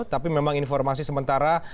tapi memang informasi sementara